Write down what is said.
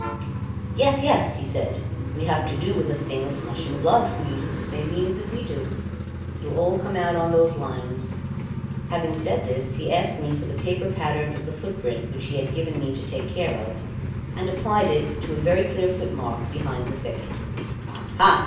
"Yes, yes!" he said. "We have to do with a thing of flesh and blood, who uses the same means that we do. It'll all come out on those lines." Having said this, he asked me for the paper pattern of the footprint which he had given me to take care of, and applied it to a very clear footmark behind the thicket. "Aha!"